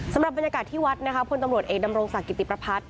สำหรับบรรยากาศที่วัดนะคะพลตำรวจเอกดำรงศักดิติประพัฒน์